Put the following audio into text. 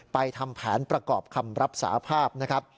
ทำแผนประกอบคำรับสาภาพนะครับ